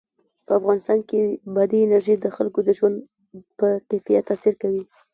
په افغانستان کې بادي انرژي د خلکو د ژوند په کیفیت تاثیر کوي.